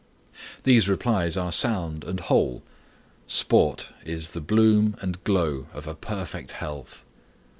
These replies are sound and whole. Sport is the bloom and glow of a perfect health.